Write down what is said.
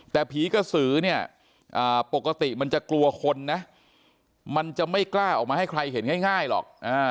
แต่ผีกระสือเนี่ยปกติมันจะกลัวคนนะมันจะไม่กล้าออกมาให้ใครเห็นง่ายหรอก